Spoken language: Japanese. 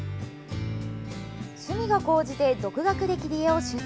趣味が高じて独学で切り絵を習得。